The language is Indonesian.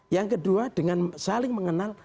yang kedua dengan saling mengenal